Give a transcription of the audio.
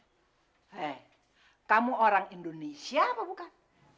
hei kamu orang indonesia apa bukan